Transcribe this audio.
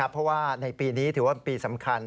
เพราะว่าในปีนี้ถือว่าเป็นปีสำคัญ